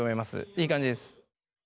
いい感じです。